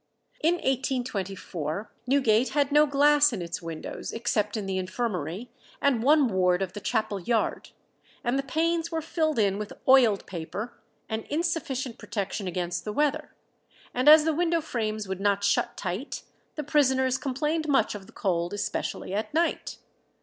In 1824 Newgate had no glass in its windows, except in the infirmary and one ward of the chapel yard; and the panes were filled in with oiled paper, an insufficient protection against the weather; and as the window frames would not shut tight, the prisoners complained much of the cold, especially at night.